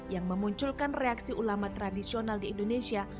yang memunculkan reaksi ulama tradisional di indonesia